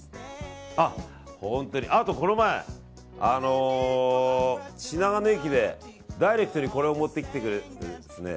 この前、品川の駅でダイレクトにこれを持ってきてくれてですね。